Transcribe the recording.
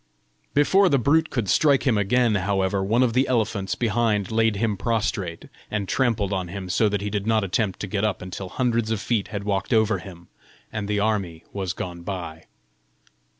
Before the brute could strike again, however, one of the elephants behind laid him prostrate, and trampled on him so that he did not attempt to get up until hundreds of feet had walked over him, and the army was gone by.